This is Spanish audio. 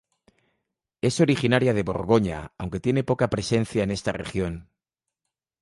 Es originaria de Borgoña, aunque tiene poca presencia en esta región.